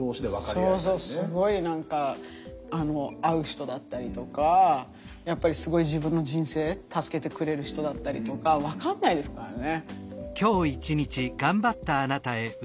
そうそうすごい何か合う人だったりとかやっぱりすごい自分の人生助けてくれる人だったりとか分かんないですからね。